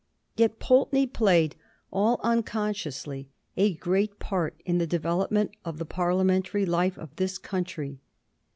Yet Pulteney played, all unconsciously, a great part in the develop ment of the Parliamentary life of this country.